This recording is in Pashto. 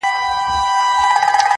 بې حیا یم، بې شرفه په وطن کي.